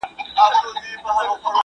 ما غوښتل چې په غرمه کې لږ ارام وکړم.